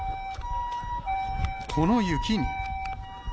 この雪に。